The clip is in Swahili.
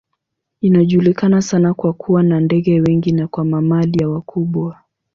Inajulikana sana kwa kuwa na ndege wengi na kwa mamalia wakubwa.